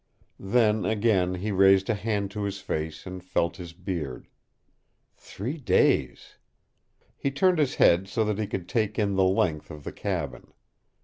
Then again he raised a hand to his face and felt his beard. Three days! He turned his head so that he could take in the length of the cabin.